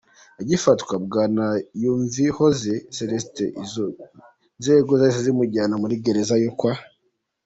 Agifatwa, Bwana Yumvihoze Celestin izo nzego zahise zimujyana muri Gereza yo kwa